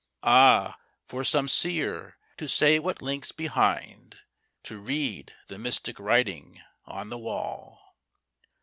Ah, for some seer, to say what links behind To read the mystic writing on the wall!